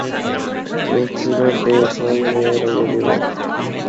"Approximate Dates given where available"